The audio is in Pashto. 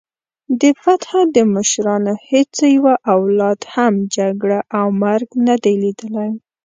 د فتح د مشرانو هیڅ یوه اولاد هم جګړه او مرګ نه دی لیدلی.